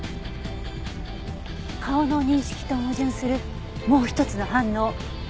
顔の認識と矛盾するもう一つの反応。